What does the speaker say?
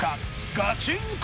ガチンコ